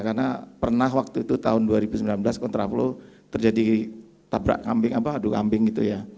karena pernah waktu itu tahun dua ribu sembilan belas kontraflux terjadi tabrak ngambing gitu ya